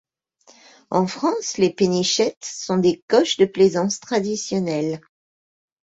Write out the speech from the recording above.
En France des Pénichettes sont des coches de plaisance traditionnelle.